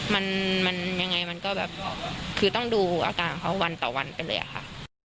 มันมันยังไงมันก็แบบคือต้องดูอาการเขาวันต่อวันไปเลยอะค่ะ